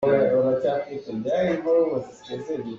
Pakhat deuh kha na duh deuh lo maw?